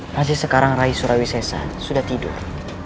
masih sekarang rai surawisesa sudah tidur